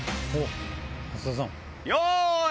よい！